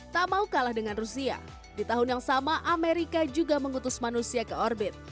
tak mau kalah dengan rusia di tahun yang sama amerika juga mengutus manusia ke orbit